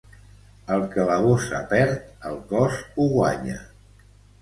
El que la bossa perd, el cos ho guanya.